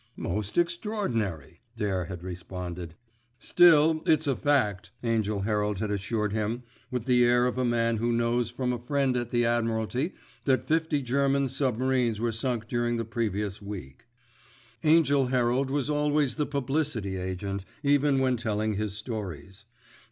"Most extraordinary," Dare had responded. "Still it's a fact," Angell Herald had assured him, with the air of a man who knows from a friend at the Admiralty that fifty German submarines were sunk during the previous week. Angell Herald was always the publicity agent, even when telling his stories.